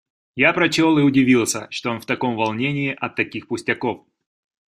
Я прочел и удивился, что он в таком волнении от таких пустяков.